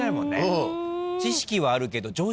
うん。